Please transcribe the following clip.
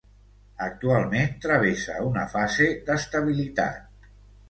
Actualment travessa una fase d'estabilitat.